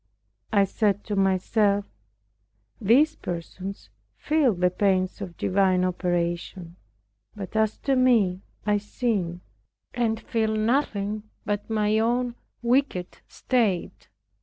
I said to myself, "These persons feel the pains of divine operations; but as to me, I sin, and feel nothing but my own wicked state."